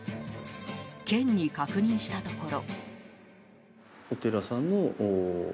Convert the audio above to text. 県に確認したところ。